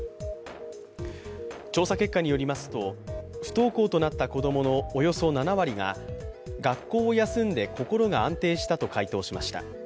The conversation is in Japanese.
調査結果によりますと不登校となった子供のおよそ７割が学校を休んで心が安定したと回答しました。